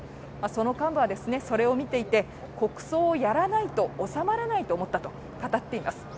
その幹部は、それを見ていて国葬をやらないと収まらないと思ったと語ったそうです。